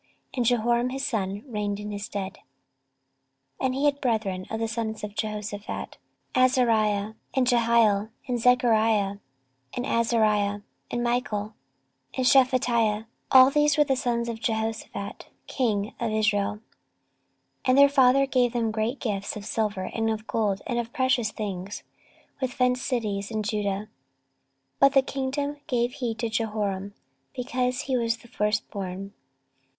And Jehoram his son reigned in his stead. 14:021:002 And he had brethren the sons of Jehoshaphat, Azariah, and Jehiel, and Zechariah, and Azariah, and Michael, and Shephatiah: all these were the sons of Jehoshaphat king of Israel. 14:021:003 And their father gave them great gifts of silver, and of gold, and of precious things, with fenced cities in Judah: but the kingdom gave he to Jehoram; because he was the firstborn.